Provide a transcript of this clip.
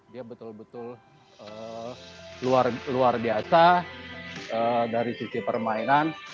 dia betul betul luar biasa dari sisi permainan